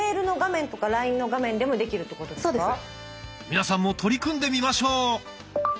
皆さんも取り組んでみましょう。